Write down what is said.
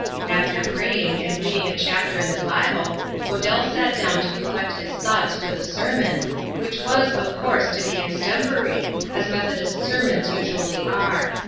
After praying and reading a chapter in the Bible, Odell sat down to collect his thoughts for the sermon, which was, of course, to be extempore, as Methodist sermons usually are.